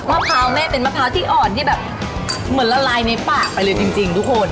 มะพร้าวแม่เป็นมะพร้าวที่อ่อนที่แบบเหมือนละลายในปากไปเลยจริงทุกคน